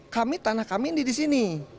kami tanah kami ini di sini